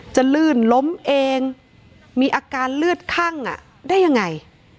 ลื่นล้มเองมีอาการเลือดคั่งได้ยังไง